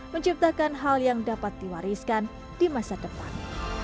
menciptakan hal yang dapat diwariskan di masa depan